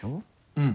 うん。